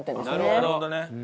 なるほどね。